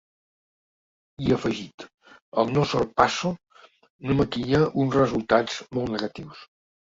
I ha afegit: ‘El no ‘sorpasso’ no maquilla uns resultats molt negatius’.